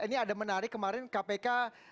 ini ada menarik kemarin kpk